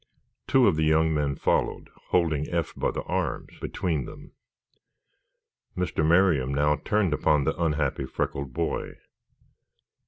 Two of the young men followed, holding Eph by the arms between them. Mr. Merriam now turned upon the unhappy freckled boy.